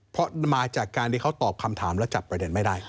เพราะมาจากการที่เขาตอบคำถามแล้วจับประเด็นไม่ได้